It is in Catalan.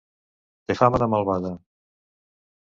Té fama de malvada.